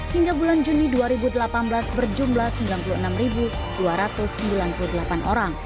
hingga bulan juni dua ribu delapan belas berjumlah sembilan puluh enam dua ratus sembilan puluh delapan orang